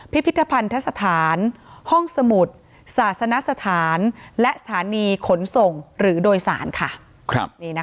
พิพิธภัณฑสถานห้องสมุทรศาสนสถานและสถานีขนส่งหรือโดยสารค่ะ